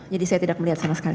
saya tidak melihat sama sekali